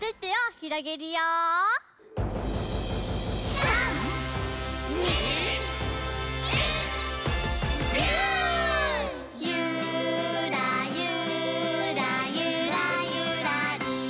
「ゆーらゆーらゆらゆらりー」